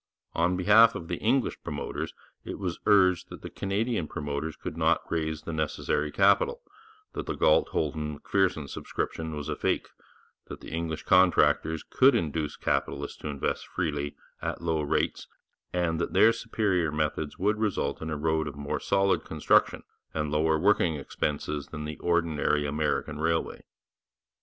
On behalf of the English promoters it was urged that the Canadian promoters could not raise the necessary capital, that the Galt Holton Macpherson subscription was a fake, that the English contractors could induce capitalists to invest freely at low rates, and that their superior methods would result in a road of more solid construction and lower working expenses than the ordinary American railway.